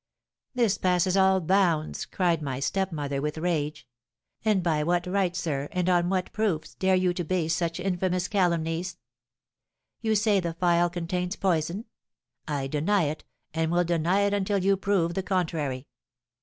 "'This passes all bounds!' cried my stepmother, with rage. 'And by what right, sir, and on what proofs, dare you to base such infamous calumnies? You say the phial contains poison? I deny it, and will deny it until you prove the contrary.